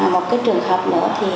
một cái trường hợp nữa thì